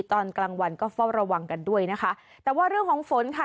ตอนกลางวันก็เฝ้าระวังกันด้วยนะคะแต่ว่าเรื่องของฝนค่ะ